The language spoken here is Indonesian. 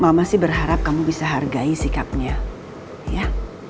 mama sih berharap kamu bisa hargai sikapnya ya